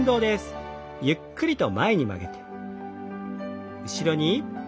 ゆっくりと前に曲げて。